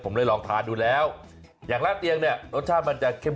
ข้างบัวแห่งสันยินดีต้อนรับทุกท่านนะครับ